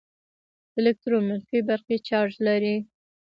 الکترون منفي برقي چارچ لري.